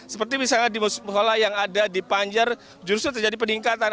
seperti misalnya di musola yang ada di panjar justru terjadi peningkatan